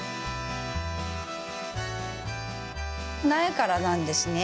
苗からなんですね。